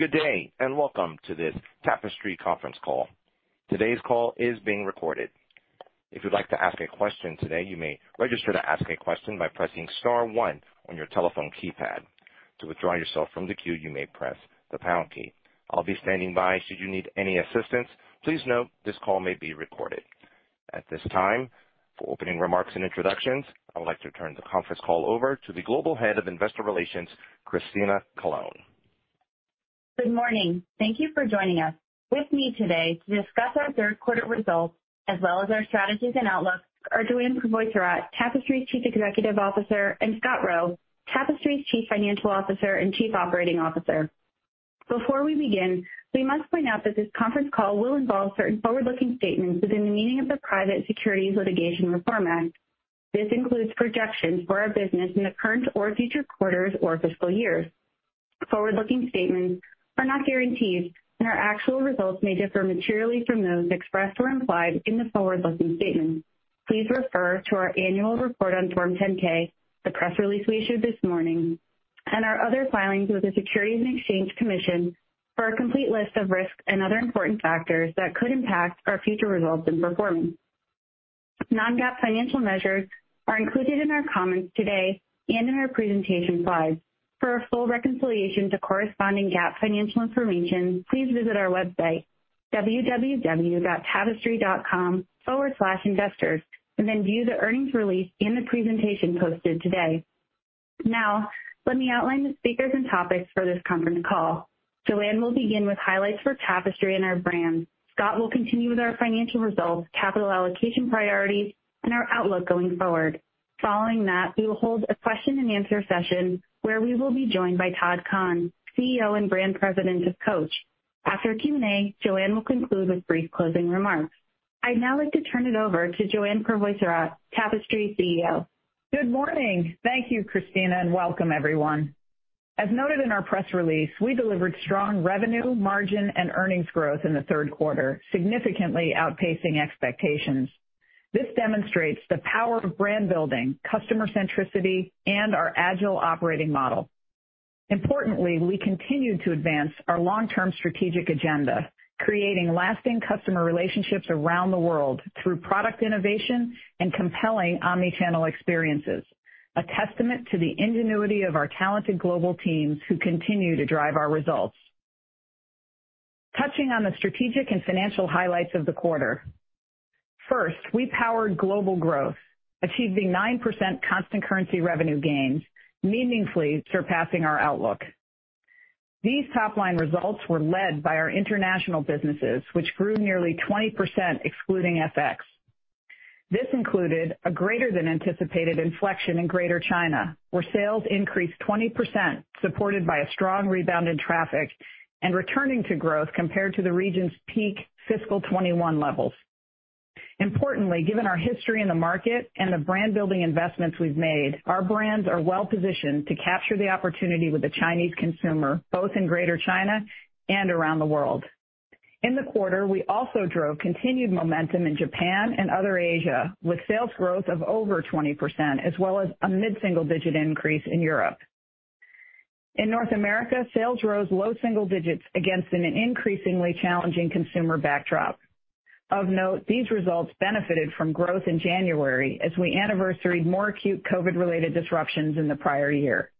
Good day. Welcome to this Tapestry conference call. Today's call is being recorded. If you'd like to ask a question today, you may register to ask a question by pressing star 1 on your telephone keypad. To withdraw yourself from the queue, you may press the pound key. I'll be standing by should you need any assistance. Please note, this call may be recorded. At this time, for opening remarks and introductions, I would like to turn the conference call over to the Global Head of Investor Relations, Christina Colone. Good morning. Thank you for joining us. With me today to discuss our 3rd quarter results as well as our strategies and outlooks are Joanne Crevoiserat, Tapestry's Chief Executive Officer, and Scott Roe, Tapestry's Chief Financial Officer and Chief Operating Officer. Before we begin, we must point out that this conference call will involve certain forward-looking statements within the meaning of the Private Securities Litigation Reform Act. This includes projections for our business in the current or future quarters or fiscal years. Forward-looking statements are not guarantees, and our actual results may differ materially from those expressed or implied in the forward-looking statement. Please refer to our annual report on Form 10-K, the press release we issued this morning, and our other filings with the Securities and Exchange Commission for a complete list of risks and other important factors that could impact our future results and performance. Non-GAAP financial measures are included in our comments today and in our presentation slides. For a full reconciliation to corresponding GAAP financial information, please visit our website, www.tapestry.com/investors, view the earnings release and the presentation posted today. Let me outline the speakers and topics for this conference call. Joanne will begin with highlights for Tapestry and our brands. Scott will continue with our financial results, capital allocation priorities, and our outlook going forward. Following that, we will hold a question-and-answer session where we will be joined by Todd Kahn, CEO, and brand president of Coach. After Q&A, Joanne will conclude with brief closing remarks. I'd now like to turn it over to Joanne Crevoiserat, Tapestry's CEO. Good morning. Thank you, Christina, and welcome, everyone. As noted in our press release, we delivered strong revenue, margin, and earnings growth in the third quarter, significantly outpacing expectations. This demonstrates the power of brand-building, customer centricity, and our agile operating model. Importantly, we continued to advance our long-term strategic agenda, creating lasting customer relationships around the world through product innovation and compelling omnichannel experiences, a testament to the ingenuity of our talented global teams who continue to drive our results. Touching on the strategic and financial highlights of the quarter. First, we powered global growth, achieving 9% constant currency revenue gains, meaningfully surpassing our outlook. These top-line results were led by our international businesses, which grew nearly 20% excluding FX. This included a greater than anticipated inflection in Greater China, where sales increased 20%, supported by a strong rebound in traffic and returning to growth compared to the region's peak fiscal 2021 levels. Importantly, given our history in the market and the brand-building investments we've made, our brands are well-positioned to capture the opportunity with the Chinese consumer, both in Greater China and around the world. In the quarter, we also drove continued momentum in Japan and other Asia, with sales growth of over 20% as well as a mid-single-digit increase in Europe. In North America, sales rose low single digits against an increasingly challenging consumer backdrop. Of note, these results benefited from growth in January as we anniversaried more acute COVID-related disruptions in the prior year.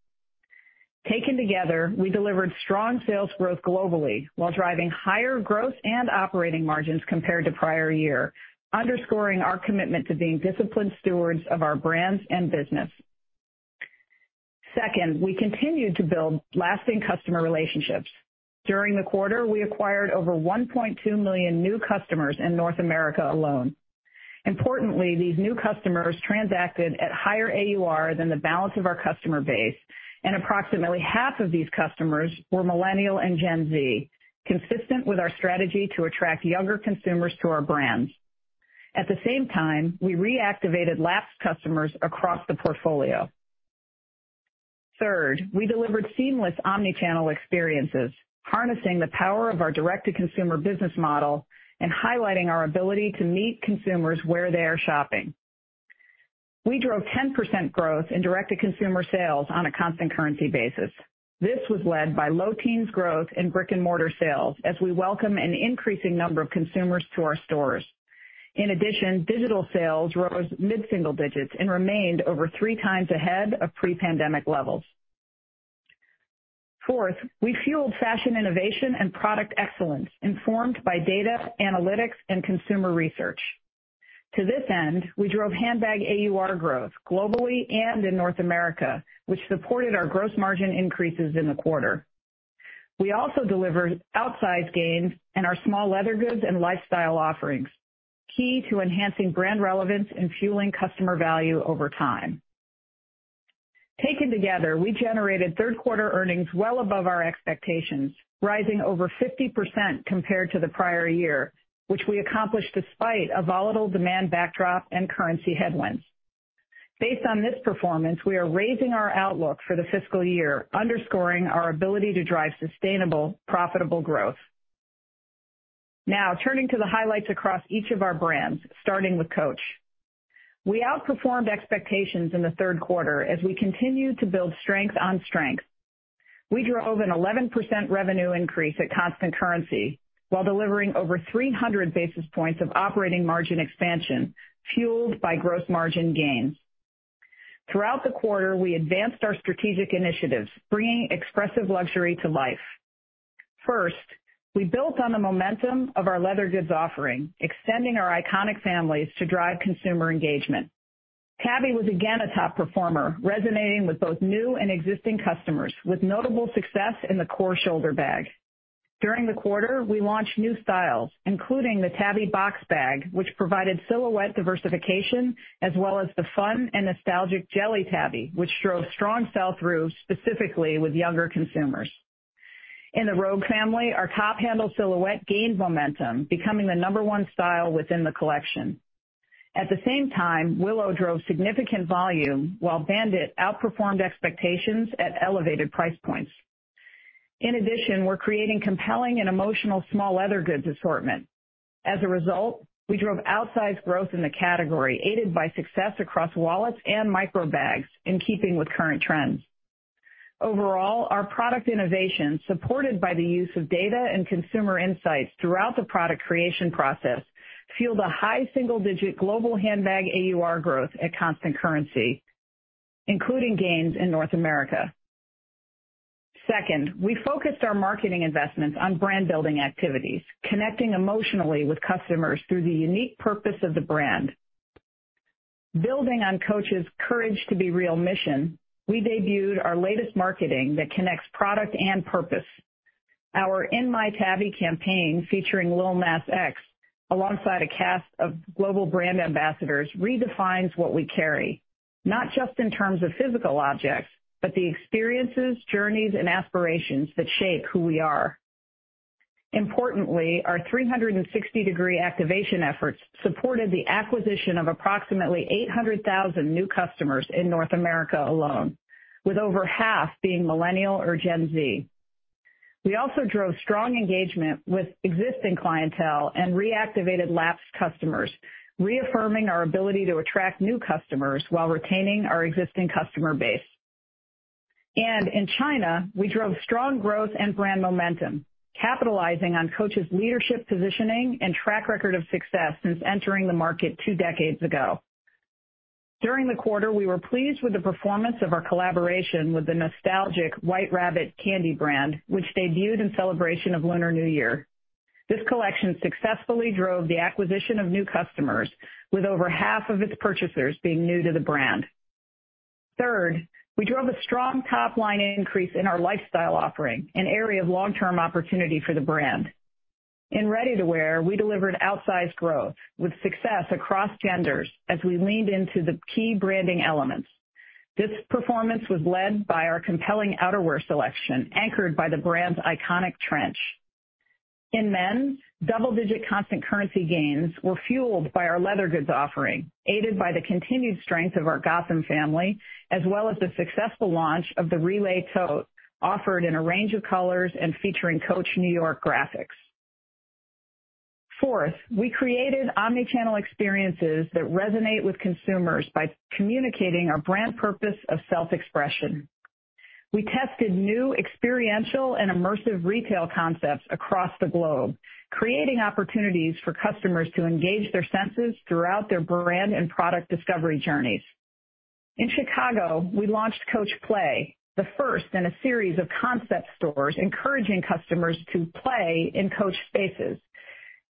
Taken together, we delivered strong sales growth globally while driving higher growth and operating margins compared to prior year, underscoring our commitment to being disciplined stewards of our brands and business. Second, we continued to build lasting customer relationships. During the quarter, we acquired over $1.2 million new customers in North America alone. Importantly, these new customers transacted at higher AUR than the balance of our customer base, and approximately half of these customers were Millennial and Gen Z, consistent with our strategy to attract younger consumers to our brands. At the same time, we reactivated lapsed customers across the portfolio. Third, we delivered seamless omnichannel experiences, harnessing the power of our direct-to-consumer business model and highlighting our ability to meet consumers where they are shopping. We drove 10% growth in direct-to-consumer sales on a constant currency basis. This was led by low teens growth in brick-and-mortar sales as we welcome an increasing number of consumers to our stores. Digital sales rose mid-single digits and remained over three times ahead of pre-pandemic levels. We fueled fashion innovation and product excellence informed by data, analytics, and consumer research. We drove handbag AUR growth globally and in North America, which supported our gross margin increases in the quarter. We also delivered outsized gains in our small leather goods and lifestyle offerings, key to enhancing brand relevance and fueling customer value over time. We generated third quarter earnings well above our expectations, rising over 50% compared to the prior year, which we accomplished despite a volatile demand backdrop and currency headwinds. Based on this performance, we are raising our outlook for the fiscal year, underscoring our ability to drive sustainable, profitable growth. Turning to the highlights across each of our brands, starting with Coach. We outperformed expectations in the third quarter as we continued to build strength on strength. We drove an 11% revenue increase at constant currency while delivering over 300 basis points of operating margin expansion, fueled by gross margin gains. Throughout the quarter, we advanced our strategic initiatives, bringing Expressive Luxury to life. First, we built on the momentum of our leather goods offering, extending our iconic families to drive consumer engagement. Tabby was again a top performer, resonating with both new and existing customers, with notable success in the core shoulder bag. During the quarter, we launched new styles, including the Tabby box bag, which provided silhouette diversification, as well as the fun and nostalgic Jelly Tabby, which drove strong sell-throughs, specifically with younger consumers. In the Rogue family, our top handle silhouette gained momentum, becoming the number one style within the collection. At the same time, Willow drove significant volume while Bandit outperformed expectations at elevated price points. In addition, we're creating compelling and emotional small leather goods assortment. As a result, we drove outsized growth in the category, aided by success across wallets and micro bags in keeping with current trends. Overall, our product innovation, supported by the use of data and consumer insights throughout the product creation process, fueled a high single-digit global handbag AUR growth at constant currency, including gains in North America. Second, we focused our marketing investments on brand-building activities, connecting emotionally with customers through the unique purpose of the brand. Building on Coach's Courage to Be Real mission, we debuted our latest marketing that connects product and purpose. Our In My Tabby campaign, featuring Lil Nas X alongside a cast of global brand ambassadors, redefines what we carry, not just in terms of physical objects, but the experiences, journeys, and aspirations that shape who we are. Importantly, our 360-degree activation efforts supported the acquisition of approximately 800,000 new customers in North America alone, with over half being Millennial or Gen Z. We also drove strong engagement with existing clientele and reactivated lapsed customers, reaffirming our ability to attract new customers while retaining our existing customer base. In China, we drove strong growth and brand momentum, capitalizing on Coach's leadership positioning and track record of success since entering the market two decades ago. During the quarter, we were pleased with the performance of our collaboration with the nostalgic White Rabbit candy brand, which debuted in celebration of Lunar New Year. This collection successfully drove the acquisition of new customers with over half of its purchasers being new to the brand. Third, we drove a strong top-line increase in our lifestyle offering, an area of long-term opportunity for the brand. In ready-to-wear, we delivered outsized growth with success across genders as we leaned into the key branding elements. This performance was led by our compelling outerwear selection, anchored by the brand's iconic trench. In men's, double-digit constant currency gains were fueled by our leather goods offering, aided by the continued strength of our Gotham family, as well as the successful launch of the Relay tote, offered in a range of colors and featuring Coach New York graphics. Fourth, we created omni-channel experiences that resonate with consumers by communicating our brand purpose of self-expression. We tested new experiential and immersive retail concepts across the globe, creating opportunities for customers to engage their senses throughout their brand and product discovery journeys. In Chicago, we launched Coach Play, the first in a series of concept stores encouraging customers to play in Coach spaces.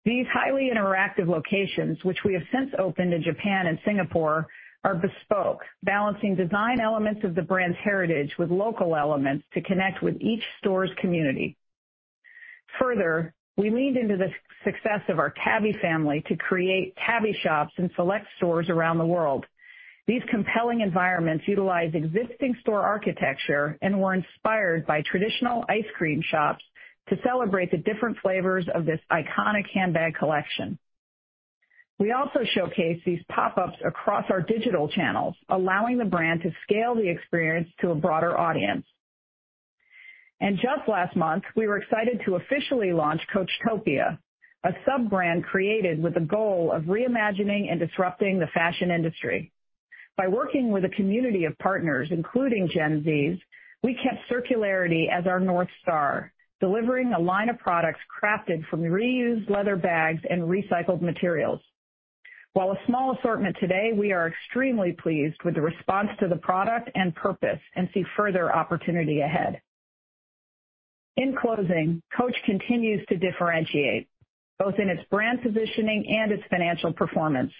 These highly interactive locations, which we have since opened in Japan and Singapore, are bespoke, balancing design elements of the brand's heritage with local elements to connect with each store's community. Further, we leaned into the success of our Tabby family to create Tabby shops in select stores around the world. These compelling environments utilize existing store architecture and were inspired by traditional ice cream shops to celebrate the different flavors of this iconic handbag collection. We also showcase these pop-ups across our digital channels, allowing the brand to scale the experience to a broader audience. Just last month, we were excited to officially launch Coachtopia, a sub-brand created with the goal of reimagining and disrupting the fashion industry. By working with a community of partners, including Gen Z, we kept circularity as our North Star, delivering a line of products crafted from reused leather bags and recycled materials. While a small assortment today, we are extremely pleased with the response to the product and purpose and see further opportunity ahead. In closing, Coach continues to differentiate both in its brand positioning and its financial performance.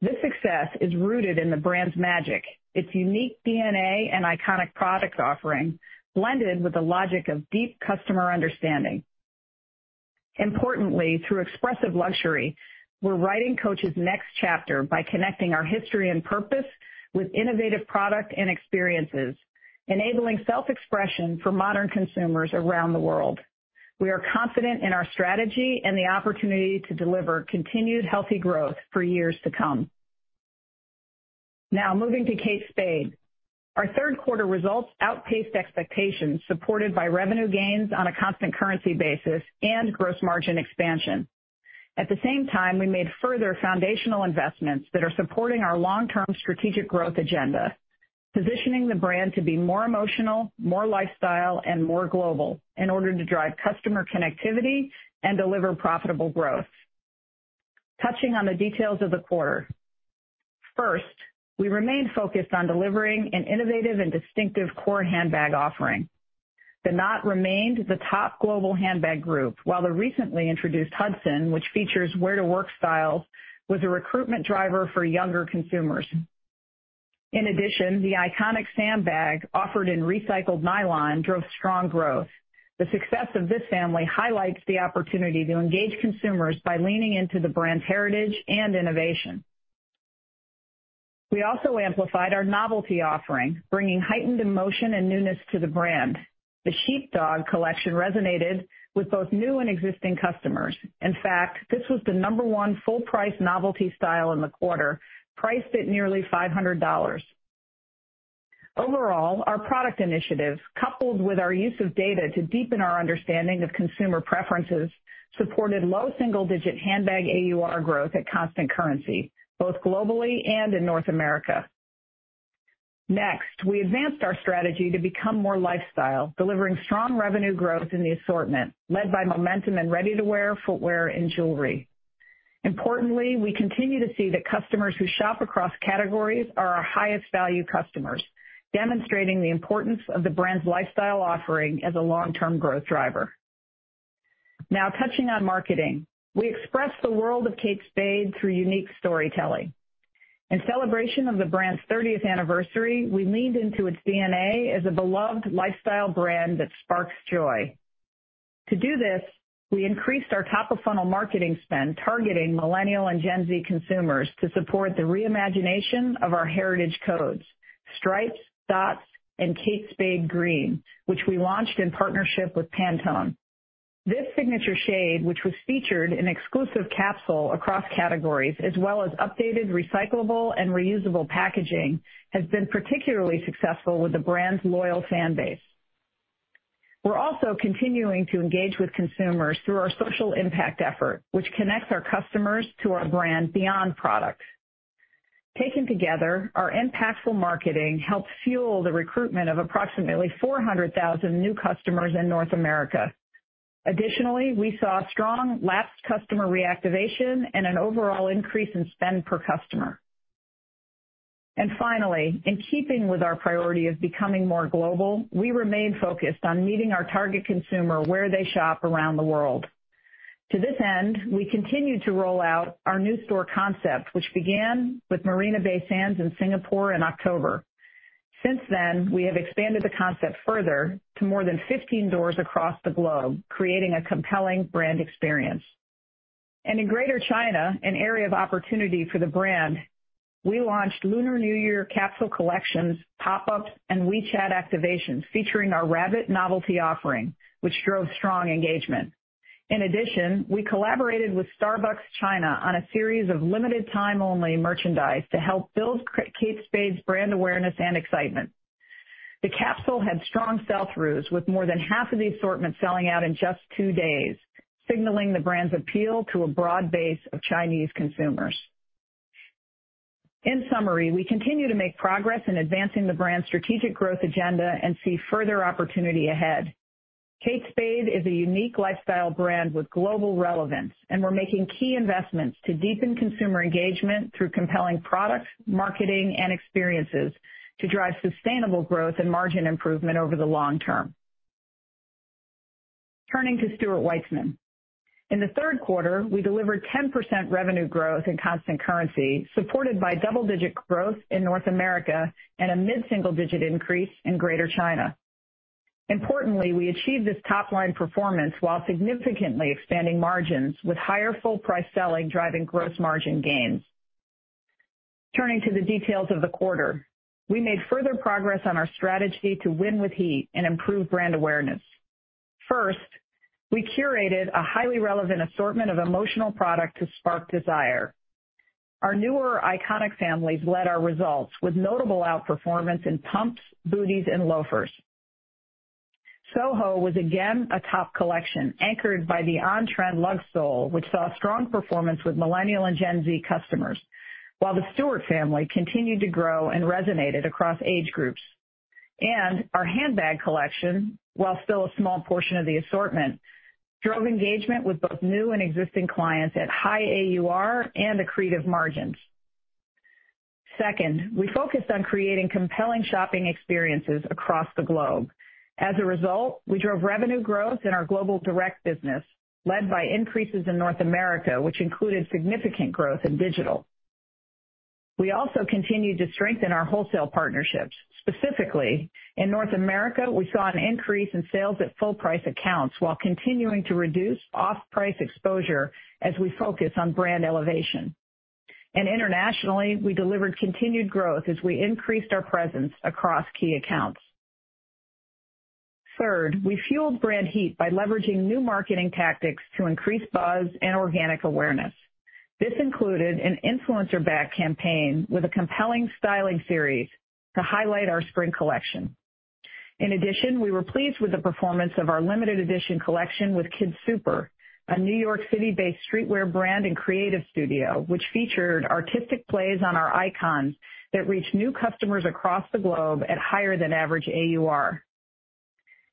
This success is rooted in the brand's magic, its unique DNA and iconic product offering, blended with the logic of deep customer understanding. Importantly, through Expressive Luxury, we're writing Coach's next chapter by connecting our history and purpose with innovative product and experiences, enabling self-expression for modern consumers around the world. We are confident in our strategy and the opportunity to deliver continued healthy growth for years to come. Moving to Kate Spade. Our third quarter results outpaced expectations supported by revenue gains on a constant currency basis and gross margin expansion. At the same time, we made further foundational investments that are supporting our long-term strategic growth agenda, positioning the brand to be more emotional, more lifestyle, and more global in order to drive customer connectivity and deliver profitable growth. We remained focused on delivering an innovative and distinctive core handbag offering. The Knott remained the top global handbag group, while the recently introduced Hudson, which features wear-to-work styles, was a recruitment driver for younger consumers. The iconic Sam bag offered in recycled nylon drove strong growth. The success of this family highlights the opportunity to engage consumers by leaning into the brand's heritage and innovation. We also amplified our novelty offering, bringing heightened emotion and newness to the brand. The Shearling collection resonated with both new and existing customers. This was the number one full price novelty style in the quarter, priced at nearly $500. Overall, our product initiatives, coupled with our use of data to deepen our understanding of consumer preferences, supported low single digit handbag AUR growth at constant currency, both globally and in North America. Next, we advanced our strategy to become more lifestyle, delivering strong revenue growth in the assortment, led by momentum and ready-to-wear footwear and jewelry. Importantly, we continue to see that customers who shop across categories are our highest value customers, demonstrating the importance of the brand's lifestyle offering as a long-term growth driver. Now touching on marketing. We express the world of Kate Spade through unique storytelling. In celebration of the brand's thirtieth anniversary, we leaned into its DNA as a beloved lifestyle brand that sparks joy. To do this, we increased our top-of-funnel marketing spend, targeting Millennial and Gen Z consumers to support the reimagination of our heritage codes, stripes, dots, and kate spade green, which we launched in partnership with Pantone. This signature shade, which was featured in exclusive capsule across categories as well as updated recyclable and reusable packaging, has been particularly successful with the brand's loyal fan base. We're also continuing to engage with consumers through our social impact effort, which connects our customers to our brand beyond products. Taken together, our impactful marketing helped fuel the recruitment of approximately 400,000 new customers in North America. Additionally, we saw strong lapsed customer reactivation and an overall increase in spend per customer. Finally, in keeping with our priority of becoming more global, we remained focused on meeting our target consumer where they shop around the world. To this end, we continued to roll out our new store concept, which began with Marina Bay Sands in Singapore in October. Since then, we have expanded the concept further to more than 15 doors across the globe, creating a compelling brand experience. In Greater China, an area of opportunity for the brand, we launched Lunar New Year capsule collections, pop-ups, and WeChat activations featuring our rabbit novelty offering, which drove strong engagement. In addition, we collaborated with Starbucks China on a series of limited time-only merchandise to help build Kate Spade's brand awareness and excitement. The capsule had strong sell-throughs, with more than half of the assortment selling out in just two days, signaling the brand's appeal to a broad base of Chinese consumers. In summary, we continue to make progress in advancing the brand's strategic growth agenda and see further opportunity ahead. Kate Spade is a unique lifestyle brand with global relevance. We're making key investments to deepen consumer engagement through compelling products, marketing, and experiences to drive sustainable growth and margin improvement over the long term. Turning to Stuart Weitzman. In the third quarter, we delivered 10% revenue growth in constant currency, supported by double-digit growth in North America and a mid-single digit increase in Greater China. Importantly, we achieved this top-line performance while significantly expanding margins with higher full price selling, driving gross margin gains. Turning to the details of the quarter. We made further progress on our strategy to win with heat and improve brand awareness. First, we curated a highly relevant assortment of emotional product to spark desire. Our newer iconic families led our results with notable outperformance in pumps, booties, and loafers. Soho was again a top collection anchored by the on-trend lug sole, which saw strong performance with Millennial and Gen Z customers. While the Stuart family continued to grow and resonated across age groups, and our handbag collection, while still a small portion of the assortment, drove engagement with both new and existing clients at high AUR and accretive margins. Second, we focused on creating compelling shopping experiences across the globe. As a result, we drove revenue growth in our global direct business, led by increases in North America, which included significant growth in digital. We also continued to strengthen our wholesale partnerships. Specifically, in North America, we saw an increase in sales at full price accounts while continuing to reduce off-price exposure as we focus on brand elevation. Internationally, we delivered continued growth as we increased our presence across key accounts. Third, we fueled brand heat by leveraging new marketing tactics to increase buzz and organic awareness. This included an influencer-backed campaign with a compelling styling series to highlight our spring collection. In addition, we were pleased with the performance of our limited edition collection with KidSuper, a New York City-based streetwear brand and creative studio, which featured artistic plays on our icons that reached new customers across the globe at higher than average AUR.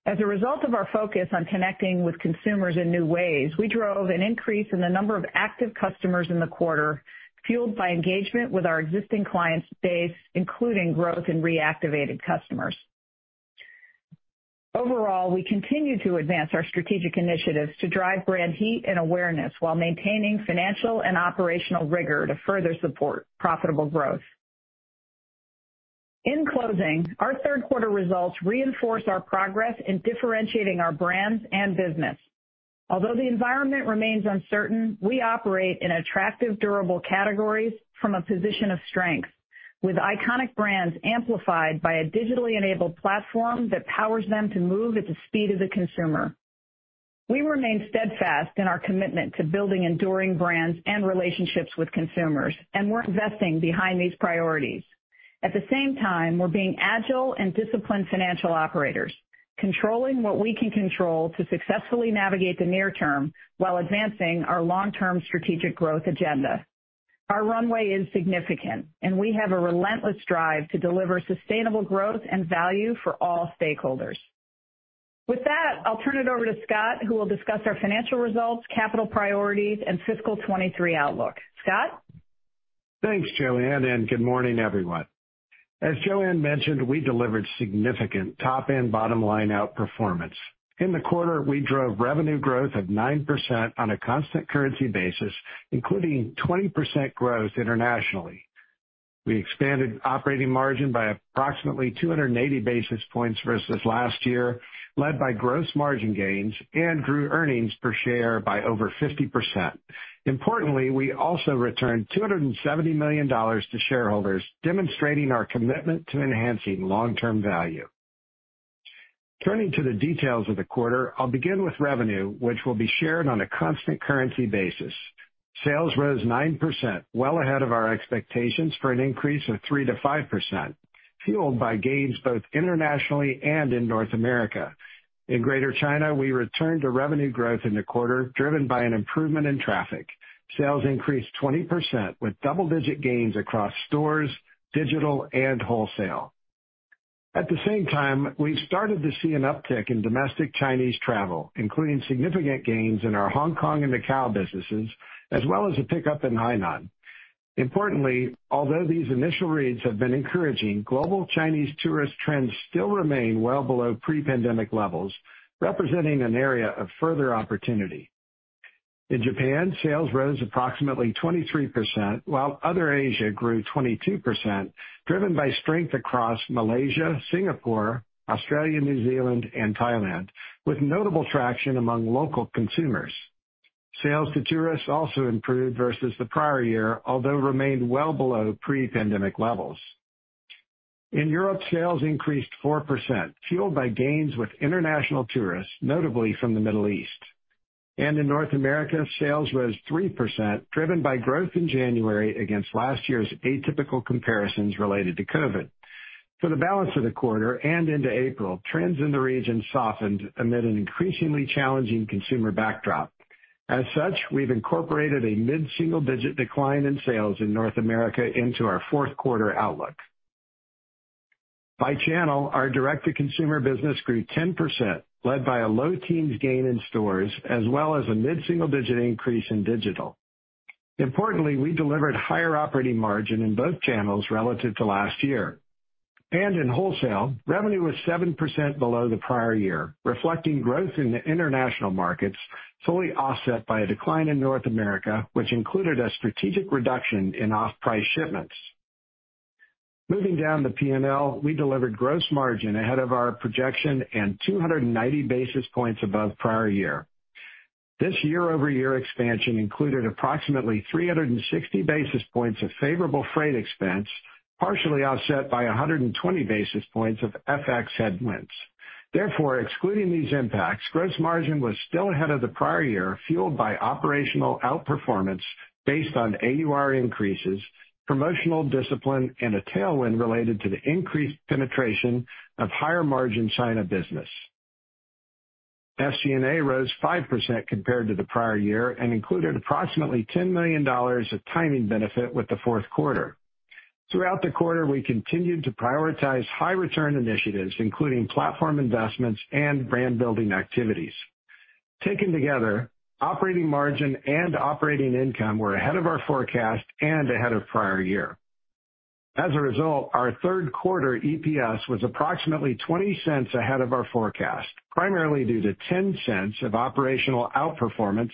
As a result of our focus on connecting with consumers in new ways, we drove an increase in the number of active customers in the quarter, fueled by engagement with our existing client base, including growth in reactivated customers. Overall, we continue to advance our strategic initiatives to drive brand heat and awareness while maintaining financial and operational rigor to further support profitable growth. In closing, our third quarter results reinforce our progress in differentiating our brands and business. Although the environment remains uncertain, we operate in attractive, durable categories from a position of strength with iconic brands amplified by a digitally enabled platform that powers them to move at the speed of the consumer. We remain steadfast in our commitment to building enduring brands and relationships with consumers. We're investing behind these priorities. At the same time, we're being agile and disciplined financial operators, controlling what we can control to successfully navigate the near term while advancing our long-term strategic growth agenda. Our runway is significant. We have a relentless drive to deliver sustainable growth and value for all stakeholders. With that, I'll turn it over to Scott, who will discuss our financial results, capital priorities, and fiscal 2023 outlook. Scott? Thanks, Joanne. Good morning, everyone. As Joanne mentioned, we delivered significant top and bottom-line outperformance. In the quarter, we drove revenue growth of 9% on a constant currency basis, including 20% growth internationally. We expanded operating margin by approximately 280 basis points versus last year, led by gross margin gains and grew earnings per share by over 50%. Importantly, we also returned $270 million to shareholders, demonstrating our commitment to enhancing long-term value. Turning to the details of the quarter, I'll begin with revenue, which will be shared on a constant currency basis. Sales rose 9%, well ahead of our expectations for an increase of 3%-5%, fueled by gains both internationally and in North America. In Greater China, we returned to revenue growth in the quarter, driven by an improvement in traffic. Sales increased 20% with double-digit gains across stores, digital, and wholesale. At the same time, we've started to see an uptick in domestic Chinese travel, including significant gains in our Hong Kong and Macau businesses, as well as a pickup in Hainan. Importantly, although these initial reads have been encouraging, global Chinese tourist trends still remain well below pre-pandemic levels, representing an area of further opportunity. In Japan, sales rose approximately 23%, while other Asia grew 22%, driven by strength across Malaysia, Singapore, Australia, New Zealand and Thailand, with notable traction among local consumers. Sales to tourists also improved versus the prior year, although remained well below pre-pandemic levels. In Europe, sales increased 4%, fueled by gains with international tourists, notably from the Middle East. In North America, sales rose 3%, driven by growth in January against last year's atypical comparisons related to COVID. For the balance of the quarter and into April, trends in the region softened amid an increasingly challenging consumer backdrop. As such, we've incorporated a mid-single-digit decline in sales in North America into our fourth quarter outlook. By channel, our direct-to-consumer business grew 10%, led by a low teens gain in stores as well as a mid-single-digit increase in digital. Importantly, we delivered higher operating margin in both channels relative to last year. In wholesale, revenue was 7% below the prior year, reflecting growth in the international markets, fully offset by a decline in North America, which included a strategic reduction in off-price shipments. Moving down the P&L, we delivered gross margin ahead of our projection and 290 basis points above prior year. This year-over-year expansion included approximately 360 basis points of favorable freight expense, partially offset by 120 basis points of FX headwinds. Excluding these impacts, gross margin was still ahead of the prior year, fueled by operational outperformance based on AUR increases, promotional discipline, and a tailwind related to the increased penetration of higher margin China business. SG&A rose 5% compared to the prior year and included approximately $10 million of timing benefit with the fourth quarter. Throughout the quarter, we continued to prioritize high return initiatives, including platform investments and brand-building activities. Taken together, operating margin and operating income were ahead of our forecast and ahead of prior year. As a result, our third quarter EPS was approximately $0.20 ahead of our forecast, primarily due to $0.10 of operational outperformance,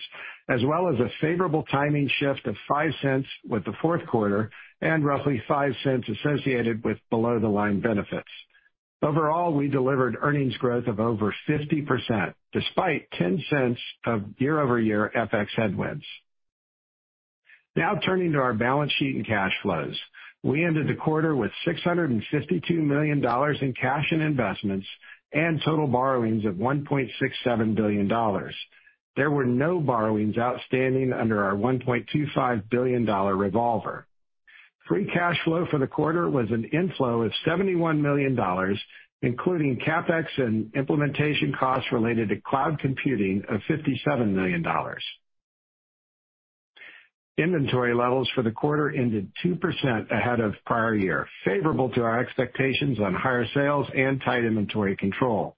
as well as a favorable timing shift of $0.05 with the fourth quarter and roughly $0.05 associated with below the line benefits. Overall, we delivered earnings growth of over 50% despite $0.10 of year-over-year FX headwinds. Turning to our balance sheet and cash flows. We ended the quarter with $652 million in cash and investments and total borrowings of $1.67 billion. There were no borrowings outstanding under our $1.25 billion dollar revolver. Free cash flow for the quarter was an inflow of $71 million, including CapEx and implementation costs related to cloud computing of $57 million. Inventory levels for the quarter ended 2% ahead of prior year, favorable to our expectations on higher sales and tight inventory control.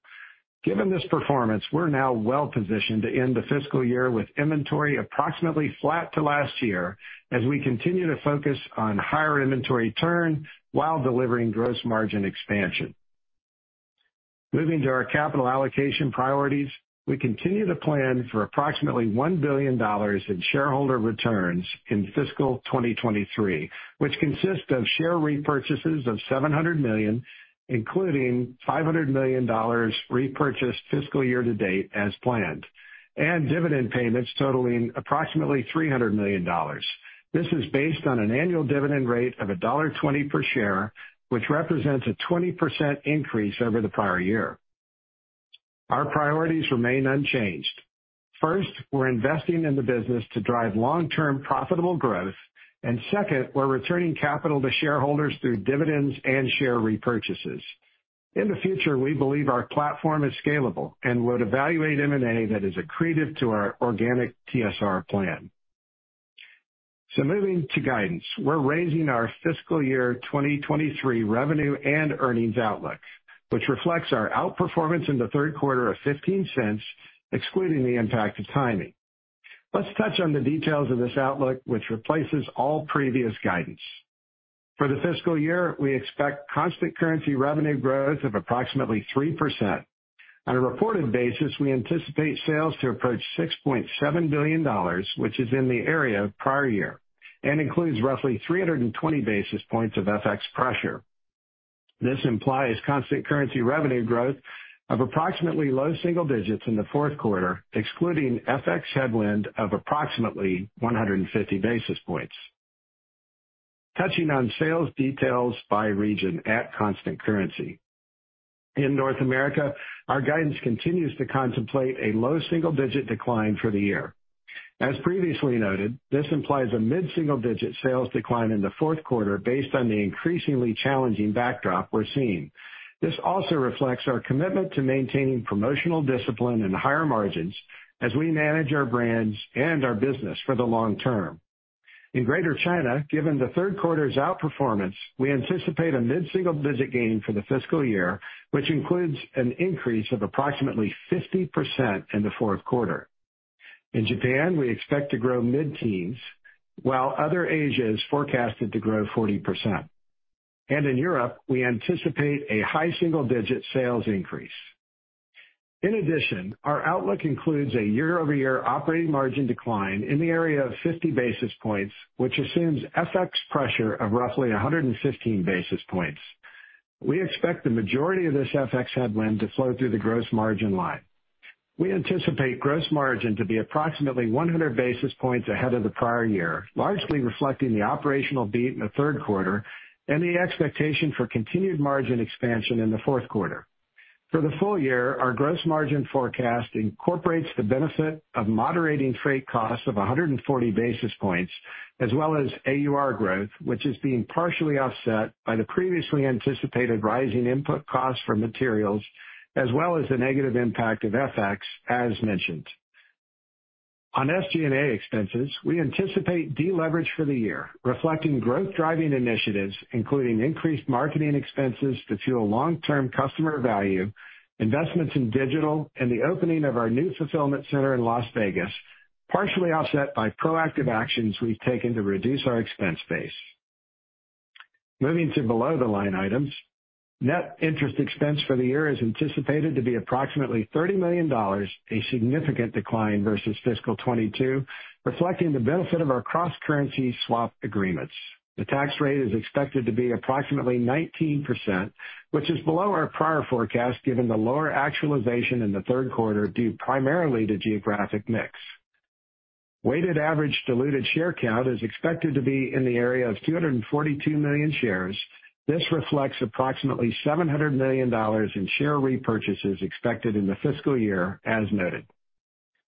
Given this performance, we're now well-positioned to end the fiscal year with inventory approximately flat to last year as we continue to focus on higher inventory turn while delivering gross margin expansion. Moving to our capital allocation priorities, we continue to plan for approximately $1 billion in shareholder returns in fiscal 2023, which consists of share repurchases of $700 million, including $500 million repurchased fiscal year to date as planned, and dividend payments totaling approximately $300 million. This is based on an annual dividend rate of $1.20 per share, which represents a 20% increase over the prior year. Our priorities remain unchanged. First, we're investing in the business to drive long-term profitable growth. Second, we're returning capital to shareholders through dividends and share repurchases. In the future, we believe our platform is scalable and would evaluate M&A that is accretive to our organic TSR plan. Moving to guidance. We're raising our fiscal year 2023 revenue and earnings outlook, which reflects our outperformance in the third quarter of $0.15, excluding the impact of timing. Let's touch on the details of this outlook, which replaces all previous guidance. For the fiscal year, we expect constant currency revenue growth of approximately 3%. On a reported basis, we anticipate sales to approach $6.7 billion, which is in the area of prior year and includes roughly 320 basis points of FX pressure. This implies constant currency revenue growth of approximately low single digits in the fourth quarter, excluding FX headwind of approximately 150 basis points. Touching on sales details by region at constant currency. In North America, our guidance continues to contemplate a low single-digit decline for the year. As previously noted, this implies a mid-single-digit sales decline in the fourth quarter based on the increasingly challenging backdrop we're seeing. This also reflects our commitment to maintaining promotional discipline and higher margins as we manage our brands and our business for the long term. In Greater China, given the third quarter's outperformance, we anticipate a mid-single-digit gain for the fiscal year, which includes an increase of approximately 50% in the fourth quarter. In Japan, we expect to grow mid-teens, while other Asia is forecasted to grow 40%. In Europe, we anticipate a high single-digit sales increase. In addition, our outlook includes a year-over-year operating margin decline in the area of 50 basis points, which assumes FX pressure of roughly 115 basis points. We expect the majority of this FX headwind to flow through the gross margin line. We anticipate gross margin to be approximately 100 basis points ahead of the prior year, largely reflecting the operational beat in the third quarter and the expectation for continued margin expansion in the fourth quarter. For the full year, our gross margin forecast incorporates the benefit of moderating freight costs of 140 basis points, as well as AUR growth, which is being partially offset by the previously anticipated rising input costs for materials, as well as the negative impact of FX, as mentioned. On SG&A expenses, we anticipate deleverage for the year, reflecting growth-driving initiatives, including increased marketing expenses to fuel long-term customer value, investments in digital, and the opening of our new fulfillment center in Las Vegas, partially offset by proactive actions we've taken to reduce our expense base. Moving to below the line items. Net interest expense for the year is anticipated to be approximately $30 million, a significant decline versus fiscal 2022, reflecting the benefit of our cross-currency swap agreements. The tax rate is expected to be approximately 19%, which is below our prior forecast, given the lower actualization in the third quarter, due primarily to geographic mix. Weighted average diluted share count is expected to be in the area of 242 million shares. This reflects approximately $700 million in share repurchases expected in the fiscal year, as noted.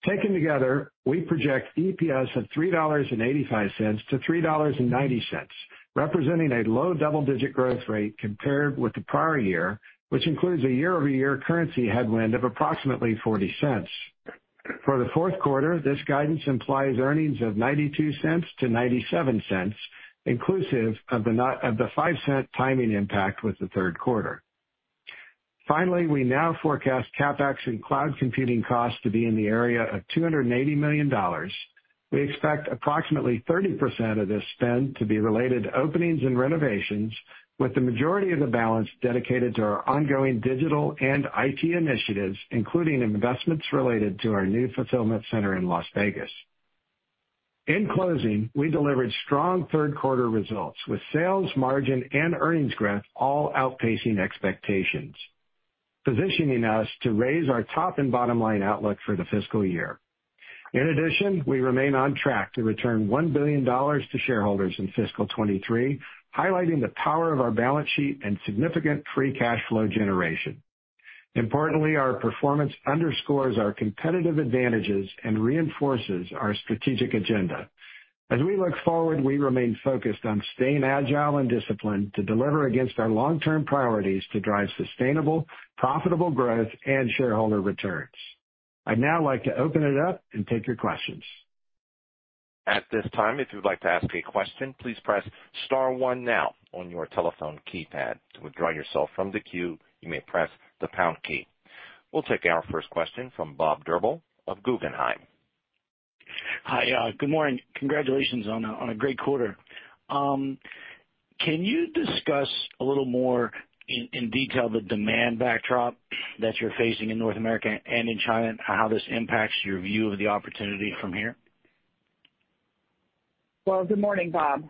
Taken together, we project EPS of $3.85-$3.90, representing a low double-digit growth rate compared with the prior year, which includes a year-over-year currency headwind of approximately $0.40. For the fourth quarter, this guidance implies earnings of $0.92-$0.97, inclusive of the $0.05 timing impact with the third quarter. Finally, we now forecast CapEx and cloud computing costs to be in the area of $280 million. We expect approximately 30% of this spend to be related to openings and renovations, with the majority of the balance dedicated to our ongoing digital and IT initiatives, including investments related to our new fulfillment center in Las Vegas. In closing, we delivered strong third quarter results, with sales, margin, and earnings growth all outpacing expectations, positioning us to raise our top and bottom line outlook for the fiscal year. We remain on track to return $1 billion to shareholders in fiscal 2023, highlighting the power of our balance sheet and significant free cash flow generation. Our performance underscores our competitive advantages and reinforces our strategic agenda. As we look forward, we remain focused on staying agile and disciplined to deliver against our long-term priorities to drive sustainable, profitable growth and shareholder returns. I'd now like to open it up and take your questions. At this time, if you'd like to ask a question, please press star one now on your telephone keypad. To withdraw yourself from the queue, you may press the pound key. We'll take our first question from Robert Drbul of Guggenheim. Hi, good morning. Congratulations on a great quarter. Can you discuss a little more in detail the demand backdrop that you're facing in North America and in China, and how this impacts your view of the opportunity from here? Well, good morning, Rob.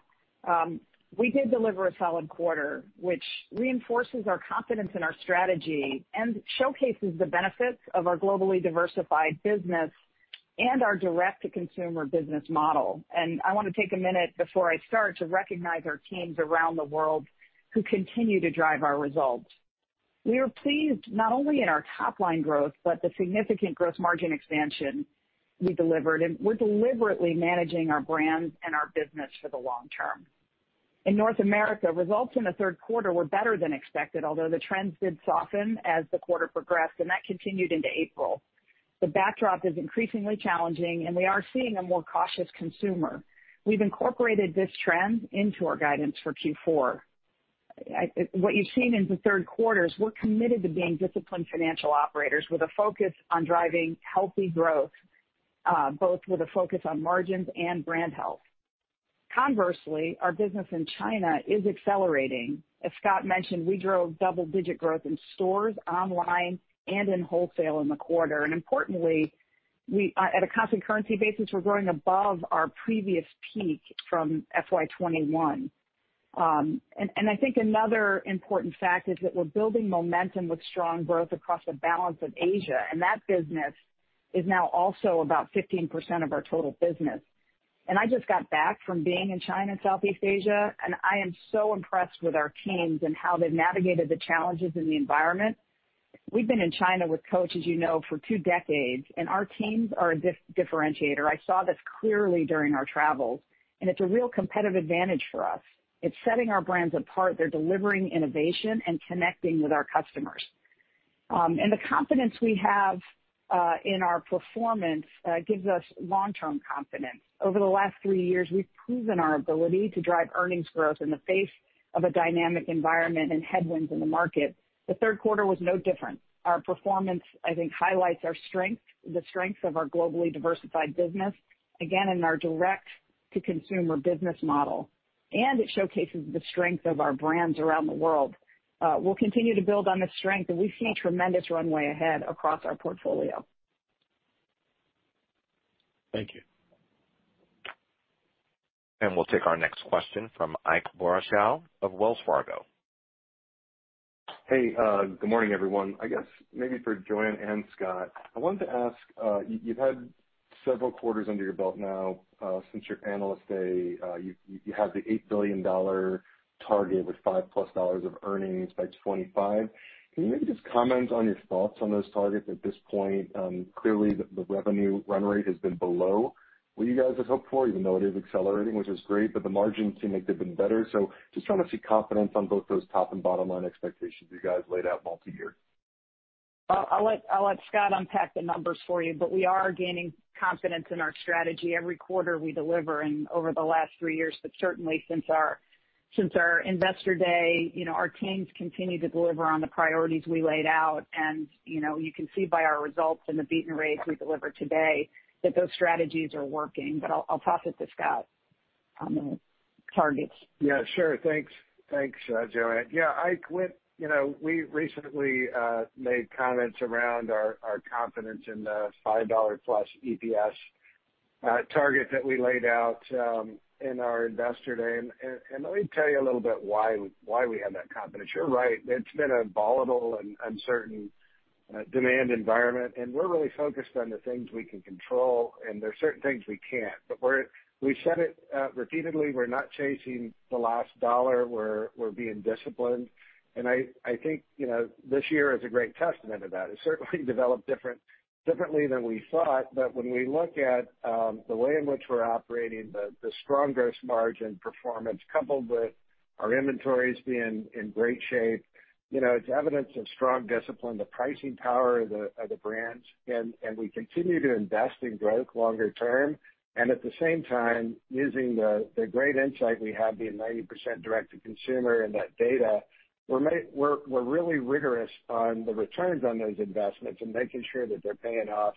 We did deliver a solid quarter, which reinforces our confidence in our strategy and showcases the benefits of our globally diversified business and our direct-to-consumer business model. I wanna take a minute before I start to recognize our teams around the world who continue to drive our results. We are pleased not only in our top line growth, but the significant gross margin expansion we delivered, and we're deliberately managing our brands and our business for the long term. In North America, results in the third quarter were better than expected, although the trends did soften as the quarter progressed, and that continued into April. The backdrop is increasingly challenging, and we are seeing a more cautious consumer. We've incorporated this trend into our guidance for Q4. What you've seen in the third quarter is we're committed to being disciplined financial operators with a focus on driving healthy growth, both with a focus on margins and brand health. Conversely, our business in China is accelerating. As Scott mentioned, we drove double-digit growth in stores, online, and in wholesale in the quarter. Importantly, we are at a constant currency basis, we're growing above our previous peak from FY 2021. I think another important fact is that we're building momentum with strong growth across the balance of Asia, and that business is now also about 15% of our total business. I just got back from being in China and Southeast Asia, and I am so impressed with our teams and how they've navigated the challenges in the environment. We've been in China with Coach, as you know, for two decades. Our teams are a differentiator. I saw this clearly during our travels. It's a real competitive advantage for us. It's setting our brands apart. They're delivering innovation and connecting with our customers. The confidence we have in our performance gives us long-term confidence. Over the last three years, we've proven our ability to drive earnings growth in the face of a dynamic environment. Headwinds in the market. The third quarter was no different. Our performance, I think, highlights our strength, the strength of our globally diversified business, again in our direct-to-consumer business model. It showcases the strength of our brands around the world. We'll continue to build on this strength. We see a tremendous runway ahead across our portfolio. Thank you. We'll take our next question from Ike Boruchow of Wells Fargo. Hey, good morning, everyone. I guess maybe for Joanne and Scott, I wanted to ask, you've had several quarters under your belt now, since your analyst day. You have the $8 billion target with $5+ of earnings by 2025. Can you maybe just comment on your thoughts on those targets at this point? Clearly the revenue run rate has been below what you guys had hoped for, even though it is accelerating, which is great, but the margins seem like they've been better. Just trying to see confidence on both those top and bottom line expectations you guys laid out multiyear. I'll let Scott unpack the numbers for you, but we are gaining confidence in our strategy every quarter we deliver and over the last three years, but certainly since our Investor Day, you know, our teams continue to deliver on the priorities we laid out. You know, you can see by our results and the beaten rates we delivered today that those strategies are working. I'll toss it to Scott on the targets. Yeah, sure. Thanks. Thanks, Joanne. Yeah, Ike, when, you know, we recently made comments around our confidence in the $5 plus EPS target that we laid out in our Investor Day. Let me tell you a little bit why we have that confidence. You're right. It's been a volatile and uncertain demand environment, and we're really focused on the things we can control, and there's certain things we can't. We've said it repeatedly, we're not chasing the last dollar. We're being disciplined. I think, you know, this year is a great testament to that. It certainly developed differently than we thought. When we look at the strong gross margin performance coupled with our inventories being in great shape, you know, it's evidence of strong discipline, the pricing power of the brands. We continue to invest in growth longer term, and at the same time using the great insight we have being 90% direct-to-consumer and that data, we're really rigorous on the returns on those investments and making sure that they're paying off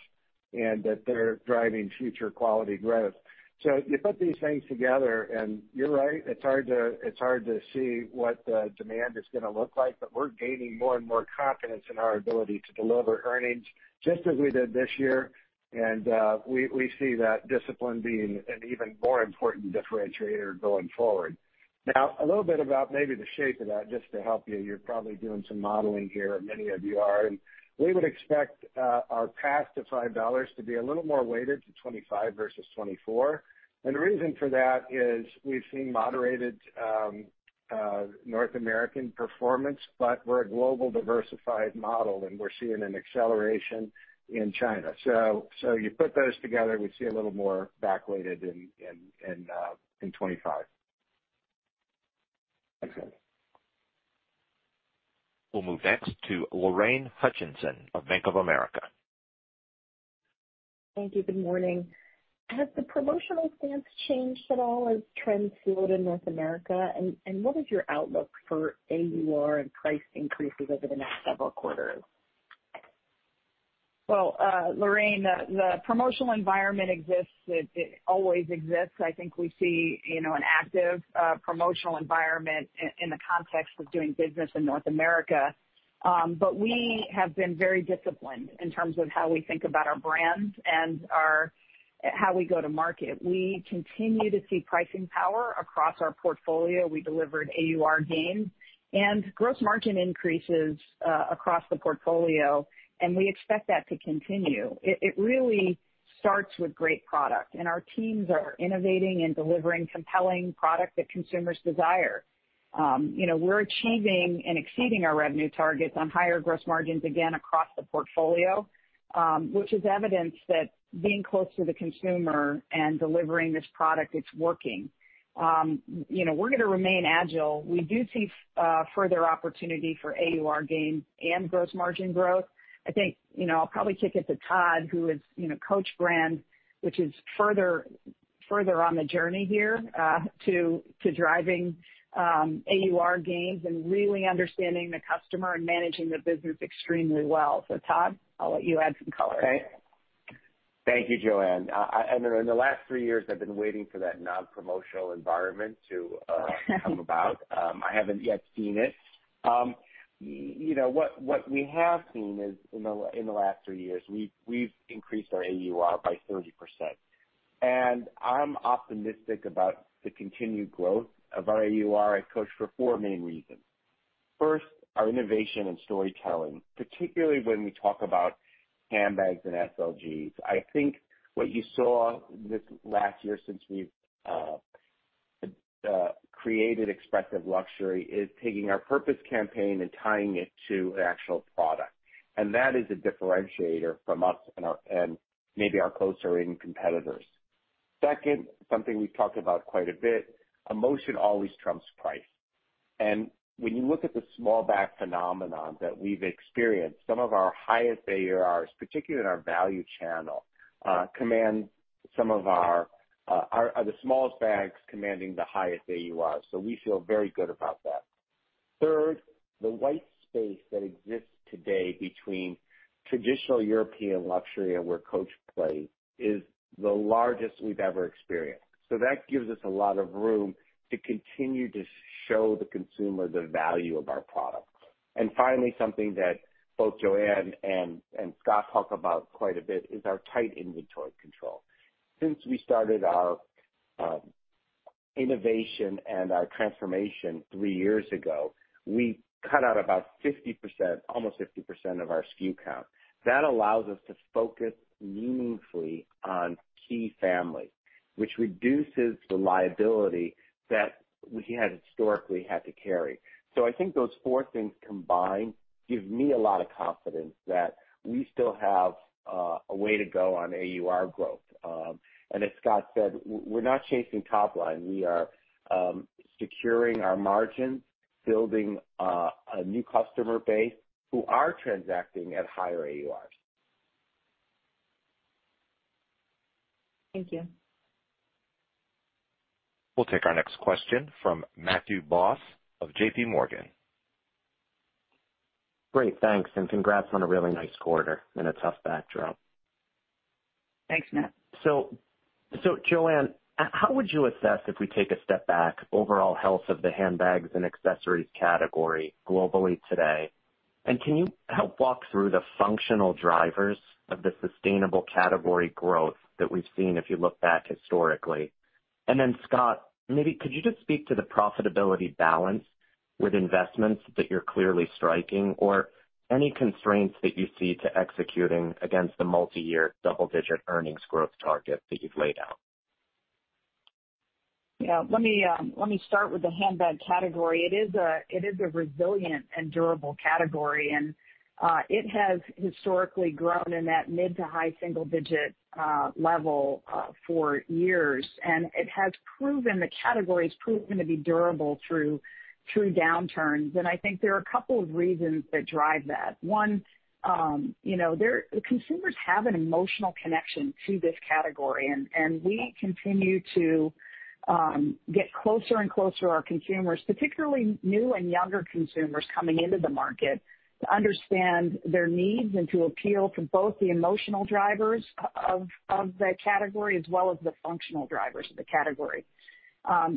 and that they're driving future quality growth. You put these things together, and you're right, it's hard to see what the demand is gonna look like, but we're gaining more and more confidence in our ability to deliver earnings just as we did this year. We see that discipline being an even more important differentiator going forward. A little bit about maybe the shape of that, just to help you. You're probably doing some modeling here, or many of you are, we would expect our path to $5 to be a little more weighted to 2025 versus 2024. The reason for that is we've seen moderated North American performance, but we're a global diversified model, and we're seeing an acceleration in China. You put those together, we see a little more back weighted in 2025. Excellent. We'll move next to Lorraine Hutchinson of Bank of America. Thank you. Good morning. Has the promotional stance changed at all as trends fueled in North America? What is your outlook for AUR and price increases over the next several quarters? Lorraine, the promotional environment exists. It always exists. I think we see, you know, an active promotional environment in the context of doing business in North America. We have been very disciplined in terms of how we think about our brands and how we go to market. We continue to see pricing power across our portfolio. We delivered AUR gains and gross margin increases across the portfolio, and we expect that to continue. It really starts with great product, and our teams are innovating and delivering compelling product that consumers desire. You know, we're achieving and exceeding our revenue targets on higher gross margins, again, across the portfolio, which is evidence that being close to the consumer and delivering this product, it's working. You know, we're gonna remain agile. We do see further opportunity for AUR gain and gross margin growth. I think, you know, I'll probably kick it to Todd, who is, you know, Coach brand, which is further on the journey here to driving AUR gains and really understanding the customer and managing the business extremely well. Todd, I'll let you add some color. Thank you, Joanne. In the last three years, I've been waiting for that non-promotional environment to come about. I haven't yet seen it. You know, what we have seen is in the last three years, we've increased our AUR by 30%. I'm optimistic about the continued growth of our AUR at Coach for four main reasons. First, our innovation and storytelling, particularly when we talk about handbags and SLGs. I think what you saw this last year since we've created Expressive Luxury is taking our purpose campaign and tying it to an actual product. That is a differentiator from us and maybe our closer-in competitors. Second, something we've talked about quite a bit, emotion always trumps price. When you look at the small back phenomenon that we've experienced, some of our highest AURs, particularly in our value channel, command some of our, are the smallest bags commanding the highest AUR. We feel very good about that. Third, the white space that exists today between traditional European luxury and where Coach plays is the largest we've ever experienced. That gives us a lot of room to continue to show the consumer the value of our product. Finally, something that both Joanne and Scott talk about quite a bit is our tight inventory control. Since we started our innovation and our transformation three years ago, we cut out about 50%, almost 50% of our SKU count. That allows us to focus meaningfully on key families, which reduces the liability that we had historically had to carry. I think those four things combined give me a lot of confidence that we still have a way to go on AUR growth. As Scott said, we're not chasing top line. We are securing our margins, building a new customer base who are transacting at higher AURs. Thank you. We'll take our next question from Matthew Boss of J.P. Morgan. Great. Thanks, and congrats on a really nice quarter and a tough backdrop. Thanks, Matt. Joanne, how would you assess if we take a step back overall health of the handbags and accessories category globally today? Can you help walk through the functional drivers of the sustainable category growth that we've seen if you look back historically? Scott, maybe could you just speak to the profitability balance with investments that you're clearly striking or any constraints that you see to executing against the multi-year double-digit earnings growth target that you've laid out? Yeah. Let me start with the handbag category. It is a resilient and durable category, it has historically grown in that mid to high single digit level for years. The category's proven to be durable through downturns. I think there are a couple of reasons that drive that. One, you know, consumers have an emotional connection to this category, and we continue to get closer and closer to our consumers, particularly new and younger consumers coming into the market, to understand their needs and to appeal to both the emotional drivers of the category as well as the functional drivers of the category.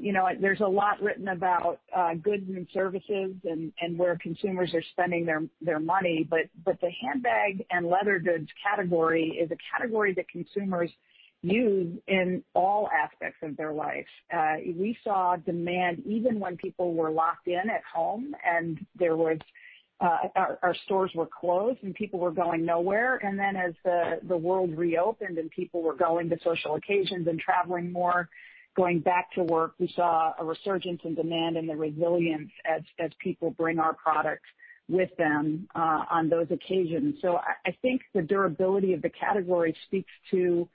You know, there's a lot written about goods and services and where consumers are spending their money, but the handbag and leather goods category is a category that consumers use in all aspects of their lives. We saw demand even when people were locked in at home and there was our stores were closed and people were going nowhere. As the world reopened and people were going to social occasions and traveling more, going back to work, we saw a resurgence in demand and the resilience as people bring our products with them on those occasions. I think the durability of the category speaks to.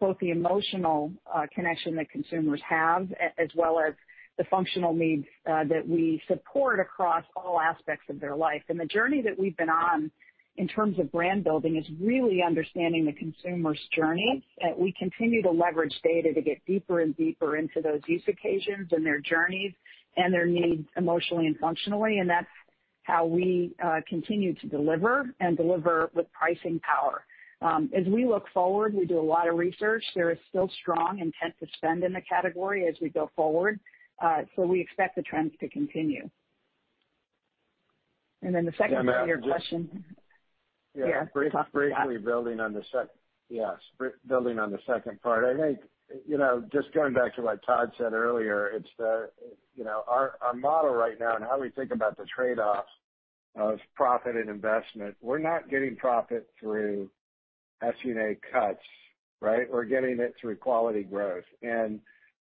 Both the emotional connection that consumers have, as well as the functional needs that we support across all aspects of their life. The journey that we've been on in terms of brand building is really understanding the consumer's journey. We continue to leverage data to get deeper and deeper into those use occasions and their journeys and their needs emotionally and functionally, that's how we continue to deliver and deliver with pricing power. As we look forward, we do a lot of research. There is still strong intent to spend in the category as we go forward. We expect the trends to continue. The second part of your question. Yeah. Yeah. Briefly building on the second part. I think, you know, just going back to what Todd said earlier, it's the, you know, our model right now and how we think about the trade-offs of profit and investment. We're not getting profit through SG&A cuts, right? We're getting it through quality growth.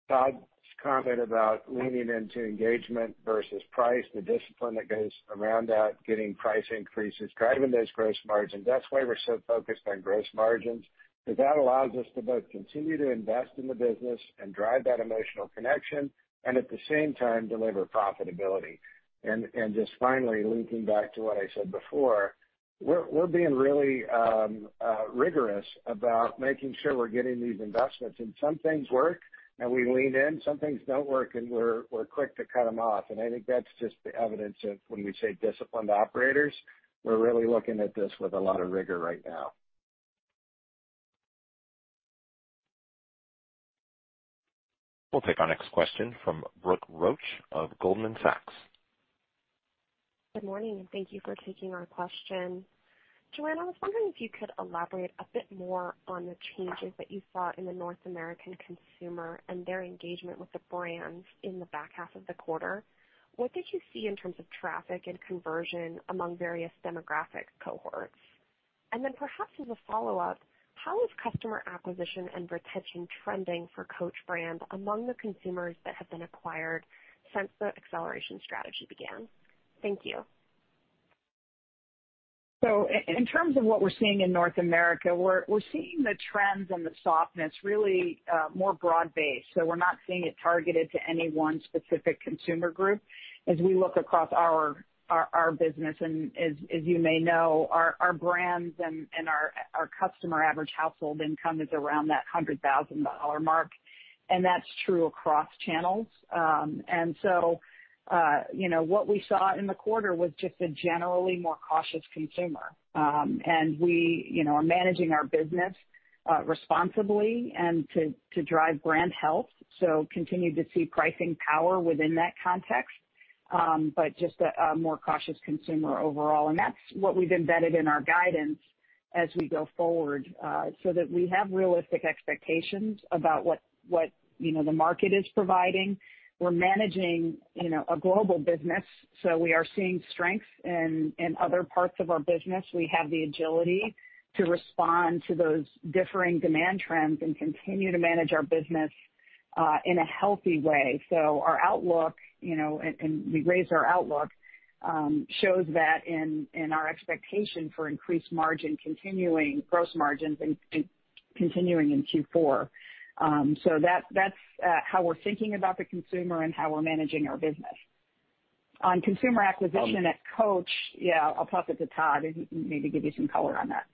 Todd's comment about leaning into engagement versus price, the discipline that goes around that, getting price increases, driving those gross margins. That's why we're so focused on gross margins, because that allows us to both continue to invest in the business and drive that emotional connection and at the same time, deliver profitability. And just finally looping back to what I said before, we're being really rigorous about making sure we're getting these investments and some things work, and we lean in. Some things don't work, and we're quick to cut them off. I think that's just the evidence of when we say disciplined operators. We're really looking at this with a lot of rigor right now. We'll take our next question from Brooke Roach of Goldman Sachs. Good morning, and thank you for taking our question. Joanne, I was wondering if you could elaborate a bit more on the changes that you saw in the North American consumer and their engagement with the brands in the back half of the quarter. What did you see in terms of traffic and conversion among various demographic cohorts? Perhaps as a follow-up, how is customer acquisition and retention trending for Coach brand among the consumers that have been acquired since the acceleration strategy began? Thank you. In terms of what we're seeing in North America, we're seeing the trends and the softness really more broad-based. We're not seeing it targeted to any one specific consumer group. As we look across our business and as you may know, our brands and our customer average household income is around that $100,000 mark, and that's true across channels. You know, what we saw in the quarter was just a generally more cautious consumer. We, you know, are managing our business responsibly and to drive brand health. Continue to see pricing power within that context, just a more cautious consumer overall. That's what we've embedded in our guidance as we go forward, so that we have realistic expectations about what, you know, the market is providing. We're managing, you know, a global business, so we are seeing strength in other parts of our business. We have the agility to respond to those differing demand trends and continue to manage our business in a healthy way. Our outlook, you know, and we raised our outlook, shows that in our expectation for increased margin gross margins continuing in Q4. That's how we're thinking about the consumer and how we're managing our business. On consumer acquisition at Coach. Yeah, I'll toss it to Todd. He can maybe give you some color on that.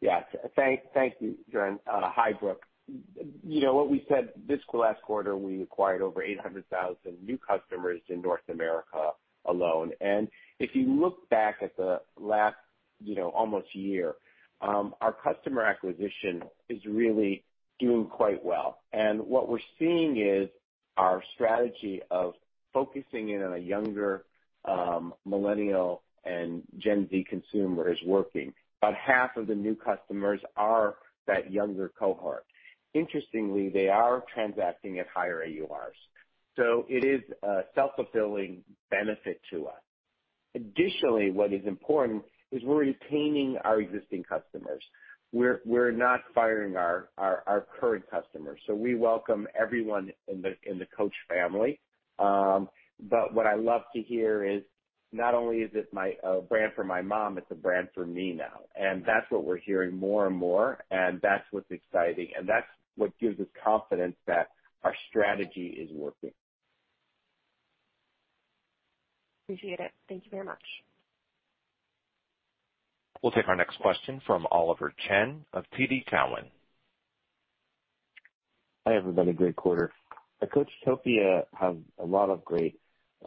Yes. Thank you, Joanne. Hi, Brooke. You know what we said this last quarter, we acquired over 800,000 new customers in North America alone. If you look back at the last, you know, almost year, our customer acquisition is really doing quite well. What we're seeing is our strategy of focusing in on a younger, Millennial and Gen Z consumer is working. About half of the new customers are that younger cohort. Interestingly, they are transacting at higher AURs. It is a self-fulfilling benefit to us. Additionally, what is important is we're retaining our existing customers. We're not firing our current customers, we welcome everyone in the Coach family. What I love to hear is not only is it my brand for my mom, it's a brand for me now. That's what we're hearing more and more, and that's what's exciting. That's what gives us confidence that our strategy is working. Appreciate it. Thank you very much. We'll take our next question from Oliver Chen of TD Cowen. Hi, everybody. Great quarter. Coachtopia has a lot of great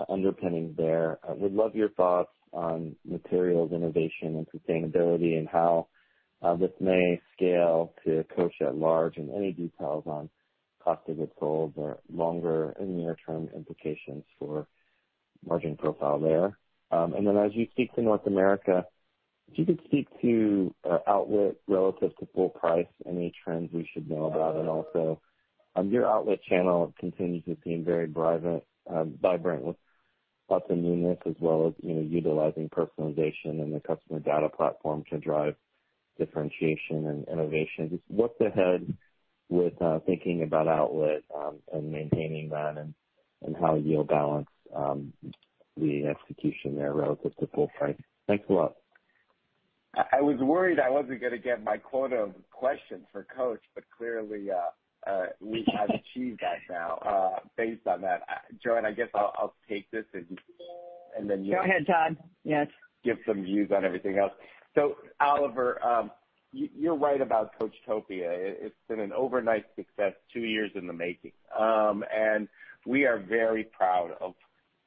underpinning there. I would love your thoughts on materials, innovation and sustainability and how this may scale to Coach at large, and any details on cost of goods sold or longer and near-term implications for margin profile there. Then as you speak to North America, if you could speak to outlet relative to full price, any trends we should know about. Also, your outlet channel continues to seem very brivant, vibrant with lots of newness as well as, you know, utilizing personalization and the customer data platform to drive differentiation and innovation. Just what's ahead with thinking about outlet, and maintaining that and how you'll balance the execution there relative to full price. Thanks a lot. I was worried I wasn't gonna get my quota of questions for Coach, but clearly, we have achieved that now, based on that. Joann, I guess I'll take this and then you- Go ahead, Todd. Yes. Give some views on everything else. Oliver, you're right about Coachtopia. It's been an overnight success 2 years in the making. We are very proud of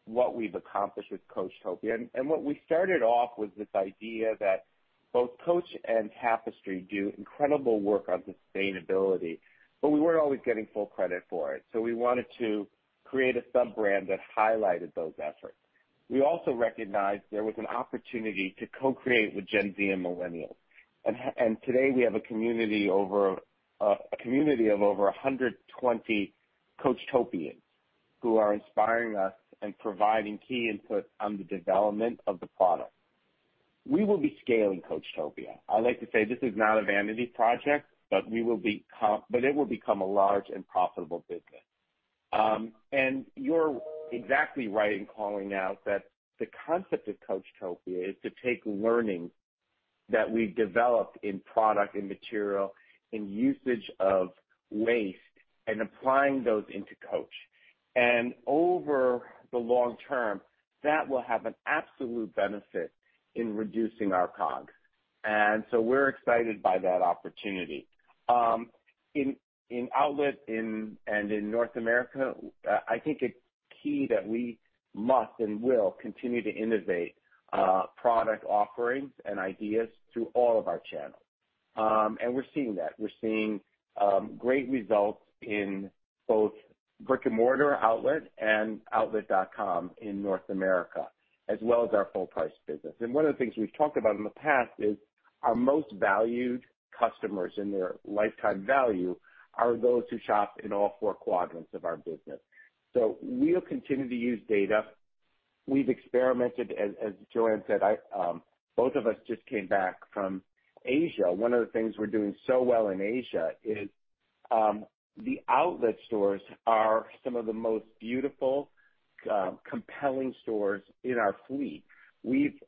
what we've accomplished with Coachtopia. What we started off was this idea that both Coach and Tapestry do incredible work on sustainability, but we weren't always getting full credit for it. We wanted to create a sub-brand that highlighted those efforts. We also recognized there was an opportunity to co-create with Gen Z and millennials. Today, we have a community of over 120 Coachtopians who are inspiring us and providing key input on the development of the product. We will be scaling Coachtopia. I like to say this is not a vanity project, but it will become a large and profitable business. You're exactly right in calling out that the concept of Coachtopia is to take learnings that we've developed in product and material and usage of waste and applying those into Coach. Over the long term, that will have an absolute benefit in reducing our COGS. We're excited by that opportunity. In outlet and in North America, I think it's key that we must and will continue to innovate product offerings and ideas through all of our channels. We're seeing that. We're seeing great results in both brick-and-mortar outlet and outlet.com in North America, as well as our full price business. One of the things we've talked about in the past is our most valued customers and their lifetime value are those who shop in all four quadrants of our business. We'll continue to use data. We've experimented, as Joanne said, I, both of us just came back from Asia. One of the things we're doing so well in Asia is, the outlet stores are some of the most beautiful, compelling stores in our fleet. We've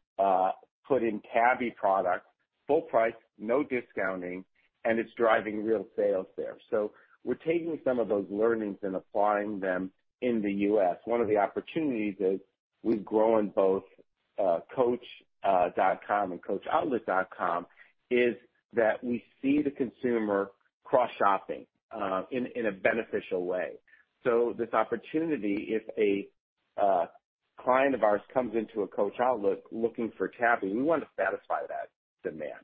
put in Tabby products full price, no discounting, and it's driving real sales there. We're taking some of those learnings and applying them in the US. One of the opportunities as we've grown both coach.com and coachoutlet.com is that we see the consumer cross-shopping in a beneficial way. This opportunity, if a client of ours comes into a Coach Outlet looking for Tabby, we want to satisfy that demand.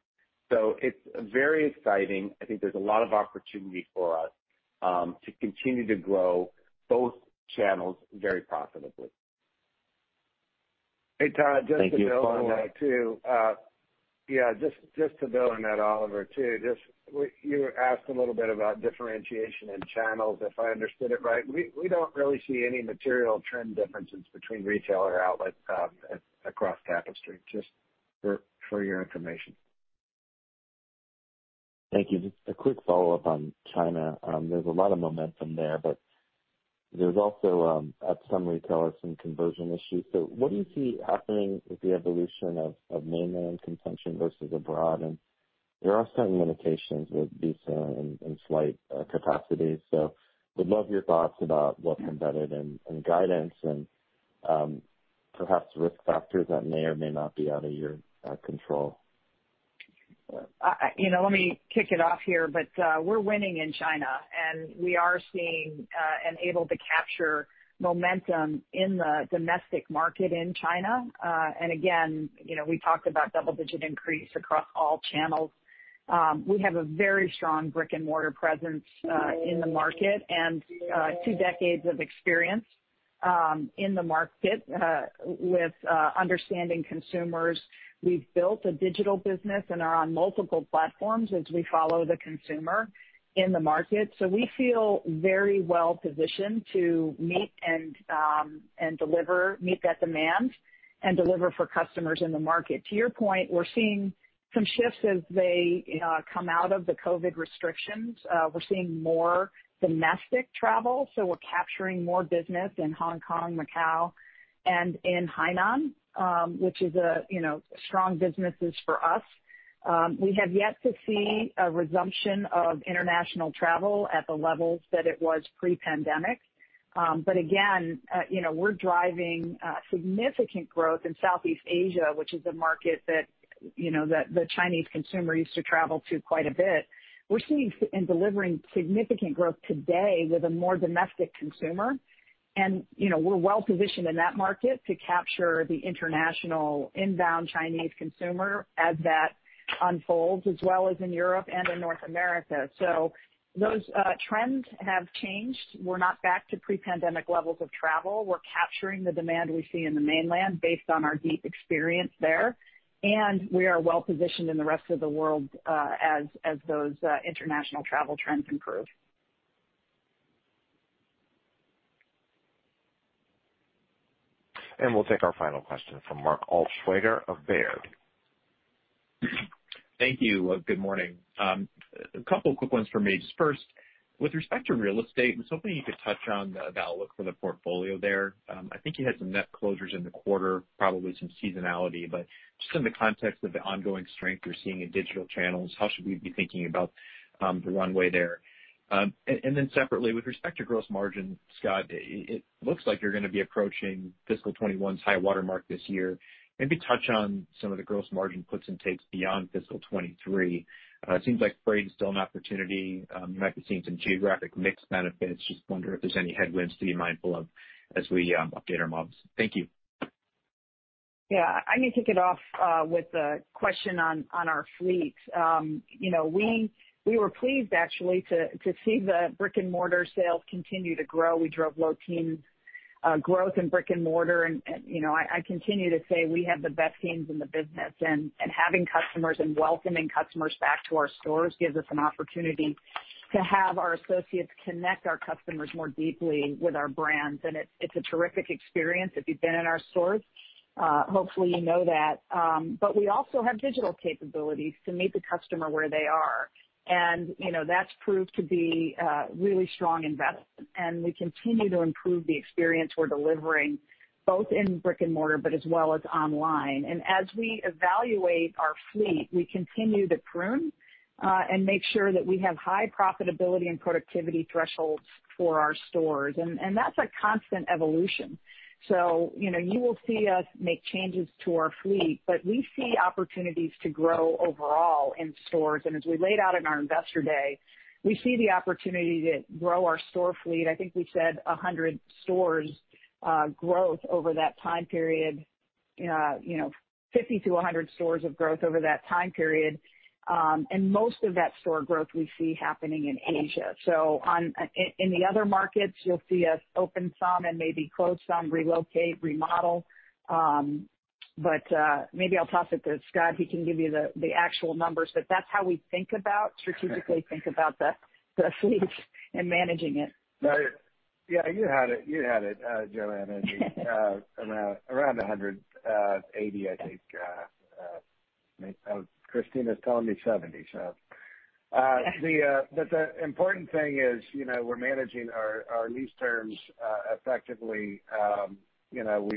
It's very exciting. I think there's a lot of opportunity for us to continue to grow both channels very profitably. Thank you. Hey, Todd, just to build on that too. Yeah, just to build on that, Oliver, too. Just you asked a little bit about differentiation in channels, if I understood it right. We don't really see any material trend differences between retail or outlet, across Tapestry, just for your information. Thank you. Just a quick follow-up on China. There's a lot of momentum there, but there's also, at some retailers some conversion issues. What do you see happening with the evolution of Mainland consumption versus abroad? There are some limitations with visa and slight capacity. Would love your thoughts about what's embedded in guidance and perhaps risk factors that may or may not be out of your control. You know, let me kick it off here, we're winning in China and we are seeing and able to capture momentum in the domestic market in China. Again, you know, we talked about double-digit increase across all channels. We have a very strong brick-and-mortar presence in the market and two decades of experience in the market with understanding consumers. We've built a digital business and are on multiple platforms as we follow the consumer in the market. We feel very well positioned to meet that demand and deliver for customers in the market. To your point, we're seeing some shifts as they come out of the COVID restrictions. We're seeing more domestic travel, so we're capturing more business in Hong Kong, Macau, and in Hainan, which is a, you know, strong businesses for us. We have yet to see a resumption of international travel at the levels that it was pre-pandemic. Again, you know, we're driving significant growth in Southeast Asia, which is a market that, you know, the Chinese consumer used to travel to quite a bit. We're seeing and delivering significant growth today with a more domestic consumer. You know, we're well positioned in that market to capture the international inbound Chinese consumer as that unfolds, as well as in Europe and in North America. Those trends have changed. We're not back to pre-pandemic levels of travel. We're capturing the demand we see in the Mainland based on our deep experience there, and we are well positioned in the rest of the world, as those international travel trends improve. We'll take our final question from Mark Altschwager of Baird. Thank you. Good morning. A couple of quick ones for me. Just first, with respect to real estate, I was hoping you could touch on the outlook for the portfolio there. I think you had some net closures in the quarter, probably some seasonality. Just in the context of the ongoing strength you're seeing in digital channels, how should we be thinking about the runway there? Then separately, with respect to gross margin, Scott, it looks like you're gonna be approaching fiscal 21's high water mark this year. Maybe touch on some of the gross margin puts and takes beyond fiscal 23. It seems like freight is still an opportunity. You might be seeing some geographic mix benefits. Just wonder if there's any headwinds to be mindful of as we update our models. Thank you. Yeah. I need to kick it off with the question on our fleet. You know, we were pleased actually to see the brick-and-mortar sales continue to grow. We drove low teen growth in brick and mortar and, you know, I continue to say we have the best teams in the business. Having customers and welcoming customers back to our stores gives us an opportunity to have our associates connect our customers more deeply with our brands. It's a terrific experience. If you've been in our stores, hopefully you know that. We also have digital capabilities to meet the customer where they are. You know, that's proved to be a really strong investment, and we continue to improve the experience we're delivering, both in brick and mortar, but as well as online. As we evaluate our fleet, we continue to prune, and make sure that we have high profitability and productivity thresholds for our stores. That's a constant evolution. You know, you will see us make changes to our fleet, but we see opportunities to grow overall in stores. As we laid out in our Investor Day, we see the opportunity to grow our store fleet. I think we said 100 stores, growth over that time period. You know, 50-100 stores of growth over that time period. Most of that store growth we see happening in Asia. In the other markets, you'll see us open some and maybe close some, relocate, remodel. Maybe I'll toss it to Scott. He can give you the actual numbers, but that's how we think about, strategically think about the fleet and managing it. Yeah, you had it. You had it, Joanne. Around 100, 80, I think. Christina Colone is telling me 70. The important thing is, you know, we're managing our lease terms effectively. You know,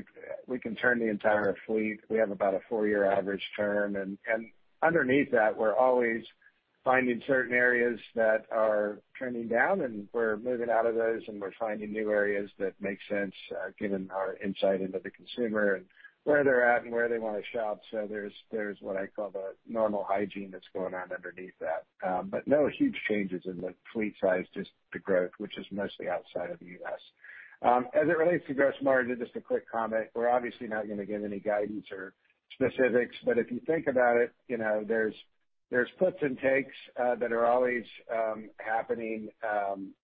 we can turn the entire fleet. We have about a four-year average term. Underneath that, we're always finding certain areas that are trending down, and we're moving out of those, and we're finding new areas that make sense given our insight into the consumer and where they're at and where they wanna shop. There's what I call the normal hygiene that's going on underneath that. No huge changes in the fleet size, just the growth, which is mostly outside of the U.S. As it relates to gross margin, just a quick comment. We're obviously not gonna give any guidance or specifics. If you think about it, you know, there's puts and takes that are always happening.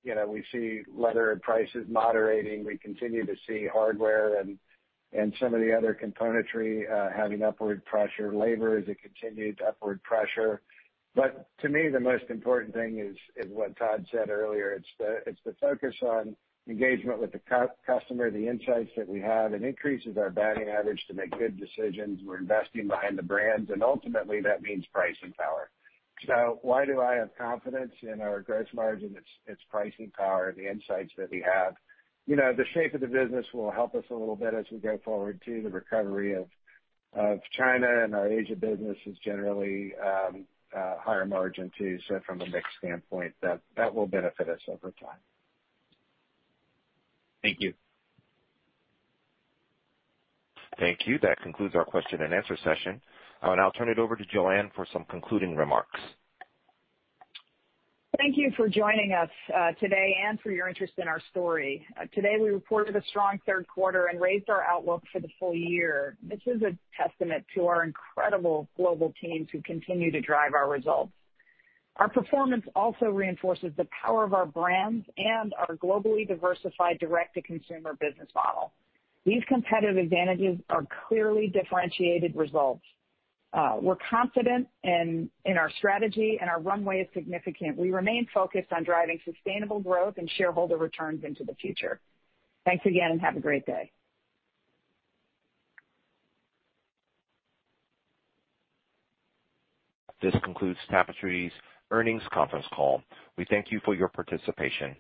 You know, we see leather prices moderating. We continue to see hardware and some of the other componentry having upward pressure. Labor is a continued upward pressure. To me, the most important thing is what Todd said earlier. It's the focus on engagement with the customer, the insights that we have. It increases our batting average to make good decisions. We're investing behind the brands, and ultimately, that means pricing power. Why do I have confidence in our gross margin? It's pricing power, the insights that we have. You know, the shape of the business will help us a little bit as we go forward, too. The recovery of China and our Asia business is generally higher margin, too. From a mix standpoint, that will benefit us over time. Thank you. Thank you. That concludes our question-and-answer session. I will now turn it over to Joanne for some concluding remarks. Thank you for joining us, today and for your interest in our story. Today, we reported a strong third quarter and raised our outlook for the full year, which is a testament to our incredible global teams who continue to drive our results. Our performance also reinforces the power of our brands and our globally diversified direct-to-consumer business model. These competitive advantages are clearly differentiated results. We're confident in our strategy, and our runway is significant. We remain focused on driving sustainable growth and shareholder returns into the future. Thanks again, and have a great day. This concludes Tapestry's earnings conference call. We thank you for your participation.